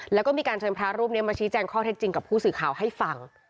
แล้วก็มีการเชิญพระรูปนี้มาชี้แจงข้อเท็จจริงกับผู้สื่อข่าวให้ฟัง